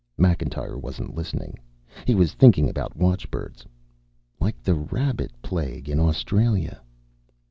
Macintyre wasn't listening. He was thinking about watchbirds. "Like the rabbit plague in Australia."